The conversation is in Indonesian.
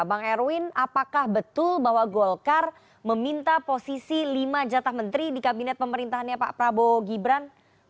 bang erwin apakah betul bahwa golkar meminta posisi lima jatah menteri di kabinet pemerintahnya pak prabowo gibran